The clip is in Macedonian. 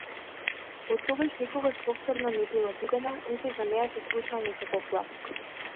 Оттогаш никогаш повторно не била видена, ниту за неа се слушнал некаков глас.